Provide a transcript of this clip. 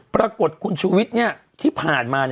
ปรากฏคุณชูวิทย์ที่ผ่านมา